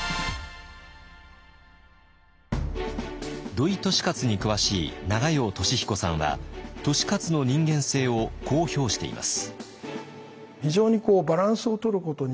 土井利勝に詳しい永用俊彦さんは利勝の人間性をこう評しています。